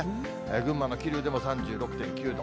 群馬の桐生でも３６．９度。